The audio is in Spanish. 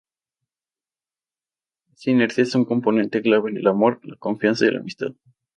Esta inercia es un componente clave en el amor, la confianza, y la amistad.